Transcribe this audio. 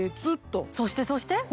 そしてそして！